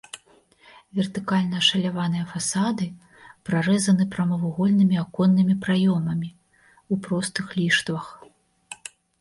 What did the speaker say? Вертыкальна ашаляваныя фасады прарэзаны прамавугольнымі аконнымі праёмамі ў простых ліштвах.